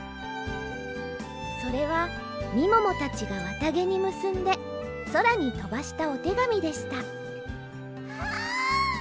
それはみももたちがわたげにむすんでそらにとばしたおてがみでしたわあ！